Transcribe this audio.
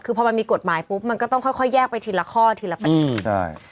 คือพอมันมีกฎหมายปุ๊บมันก็ต้องค่อยค่อยแยกไปทีละข้อทีละปฏิอืมได้